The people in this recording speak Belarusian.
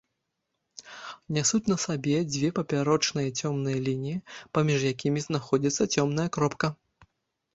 Нясуць на сабе дзве папярочныя цёмныя лініі, паміж якімі знаходзіцца цёмная кропка.